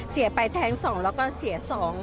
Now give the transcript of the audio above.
เสียไปแทง๒แล้วก็เสีย๒